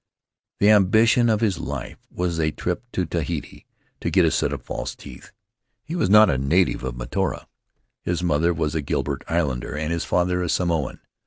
The ambi tion of his life was a trip to Tahiti to get a set of false teeth. He was not a native of Mataora — his mother was a Gilbert Islander and his father a Samoan.